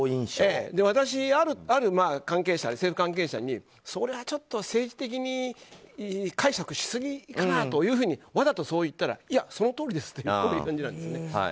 私、ある政府関係者にそれはちょっと政治的に解釈しすぎかなとわざと解釈したらそのとおりですということでした。